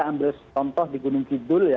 ambil contoh di gunung kidul ya